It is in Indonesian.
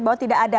bahwa tidak ada